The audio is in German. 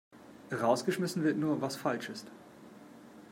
Rausgeschmissen wird nur, was falsch ist.